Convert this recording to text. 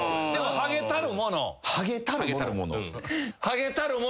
ハゲたるもの。